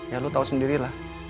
ya lo tau sendiri lah